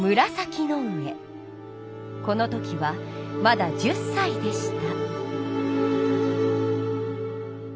この時はまだ１０さいでした。